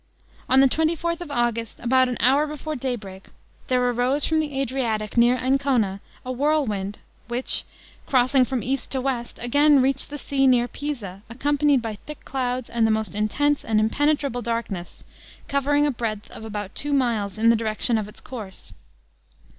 On the twenty fourth of August, about an hour before daybreak, there arose from the Adriatic near Ancona, a whirlwind, which crossing from east to west, again reached the sea near Pisa, accompanied by thick clouds, and the most intense and impenetrable darkness, covering a breadth of about two miles in the direction of its course.